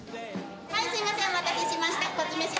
はいすいませんお待たせしました。